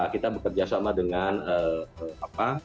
kita bekerja sama dengan apa